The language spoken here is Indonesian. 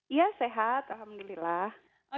iya sehat alhamdulillah